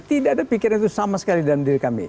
tidak ada pikiran itu sama sekali dalam diri kami